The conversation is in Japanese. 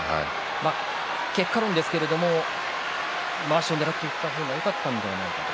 結果論ですけれどもまわしをねらっていった方がよかったのではないかと。